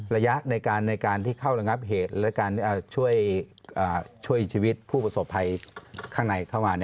ระยะในการที่เข้าระงับเหตุและการช่วยชีวิตผู้ประสบภัยข้างในเข้ามา